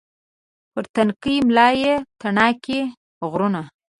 پر تنکۍ ملا یې تڼاکې غرونه